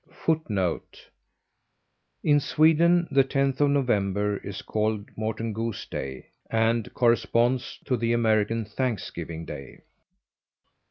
[Footnote 1: In Sweden the 10th of November is called Morten Gooseday and corresponds to the American Thanksgiving Day.